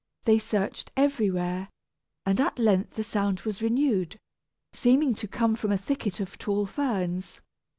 They searched everywhere, and at length the sound was renewed, seeming to come from a thicket of tall ferns.